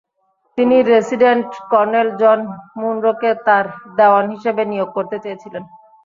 তিনি resident colonel John মুনরোকে তাঁর দেওয়ান হিসেবে নিয়োগ করতে চেয়েছিলেন।